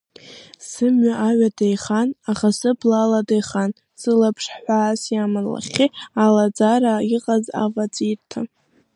Сымҩа аҩада ихан, аха сыбла алада ихан, сылаԥш ҳәаас иаман лахьхьи алаӡара иҟаз аваҵәирҭа.